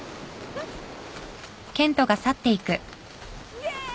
イェーイ！